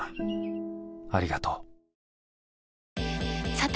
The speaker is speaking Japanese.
さて！